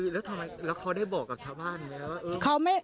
แล้วเขาได้บอกกับชาวบ้านไหม